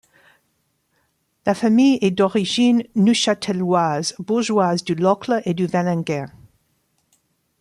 La famille est d’origine neuchâteloise, bourgeoise du Locle et de Valangin.